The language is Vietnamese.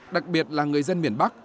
đặc biệt là người dân miền bắc